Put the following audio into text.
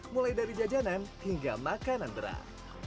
mulai dari jajanan hingga makanan berat